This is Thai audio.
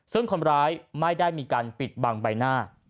ซึ่งคนร้ายไม่ได้มีการปิดบังใบหน้า